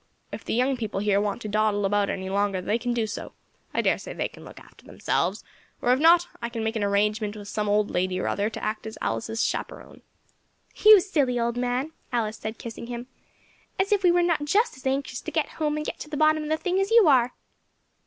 If the young people here want to dawdle about any longer they can do so; I dare say they can look after themselves, or if not, I can make an arrangement with some old lady or other to act as Alice's chaperon." "You silly old man," Alice said, kissing him, "as if we were not just as anxious to get home and to get to the bottom of the thing as you are."